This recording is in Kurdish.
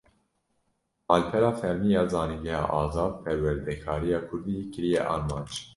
Malpera fermî ya Zanîngeha Azad, perwerdekariya Kurdî kiriye armanc